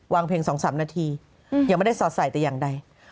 วางเพลงสองสามนาทียังไม่ได้สอดใส่แต่อย่างใด